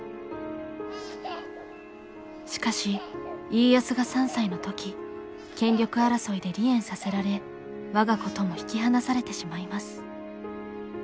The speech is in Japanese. しかし家康が３歳の時権力争いで離縁させられ我が子とも引き離されてしまいます。